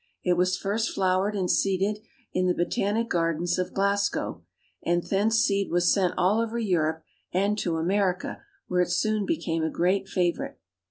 It was first flowered and seeded in the Botanic Gardens of Glasgow, and thence seed was sent all over Europe and to America, where it soon became a great favorite.